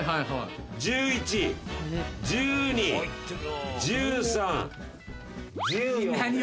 １１１２１３１４。